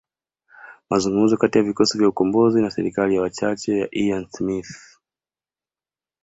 Mazungumzo kati ya vikosi vya ukombozi na serikali ya wachache ya Ian Smith